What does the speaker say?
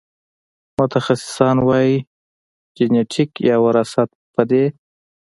متخصصان وايي جنېتیک یا وراثت په دې